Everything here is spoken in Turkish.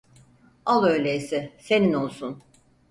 Al öyleyse senin olsun.